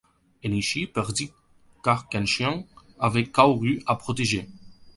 Enishi perdit car Kenshin avait Kaoru à protéger.